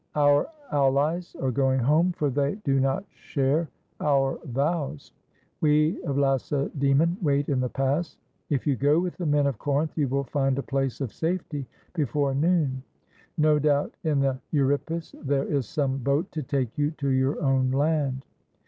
Our allies are going home, for they do 105 GREECE not share our vows. We of Lacedaemon wait in the pass. If you go with the men of Corinth you will find a place of safety before noon. No doubt in the Euripus there is some boat to take you to your own land."